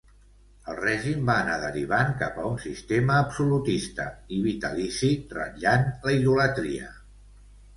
El règim va anar derivant cap a un sistema absolutista i vitalici, ratllant la idolatria.